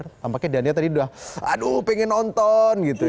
tampaknya daniel tadi udah aduh pengen nonton gitu ya